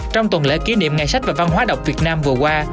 trong tuần lễ kỷ niệm ngày sách và văn hóa đọc việt nam vừa qua